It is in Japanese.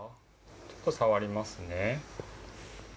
ちょっと触りますね。